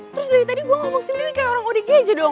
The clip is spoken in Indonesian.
terus dari tadi gue ngomong sendiri kayak orang udiknya aja dong